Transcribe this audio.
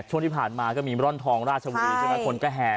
ช่วงที่ผ่านมาก็ร่อนทองราชมือใช่ไหม